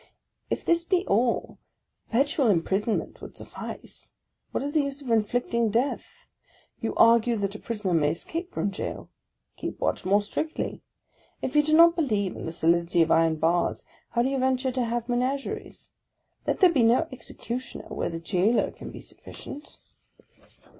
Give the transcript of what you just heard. If this be all, perpetual imprisonment would suffice. What is che use of inflicting death? You argue that a prisoner may escape from gaol, — keep watch more strictly ! If you do not believe in the solidity of iron. bars, how do you venture to have menageries? Let there be no executioner where the jailer can be sufficient.